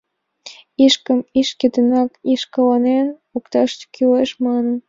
Ишкым ишке денак ишкыланен лукташ кӱлеш, маныт.